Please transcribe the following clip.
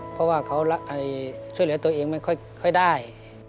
เพราะว่าเขาช่วยเหลือตัวเองไม่ค่อยได้